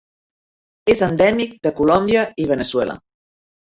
És endèmic de Colòmbia i Veneçuela.